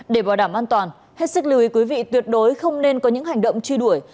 để bảo đảm an toàn hết sức lưu ý quý vị tuyệt đối không nên có những hành động truy đuổi